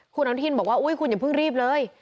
คุณอนุทินบอกว่าอุ๊ยคุณอย่าเพิ่งรีบเลย